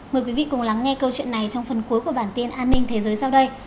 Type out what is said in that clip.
mời quý vị cùng lắng nghe câu chuyện này trong phần cuối của bản tin an ninh thế giới sau đây